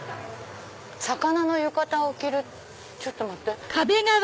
魚の浴衣を着るちょっと待って。